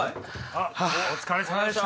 あっお疲れさまでした。